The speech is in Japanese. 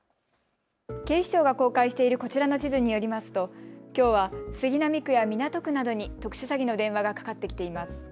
警視庁が公開しているこちらの地図によりますときょうは杉並区や港区などに特殊詐欺の電話がかかってきています。